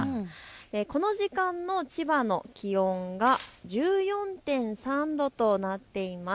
この時間の千葉の気温が１４．３度となっております。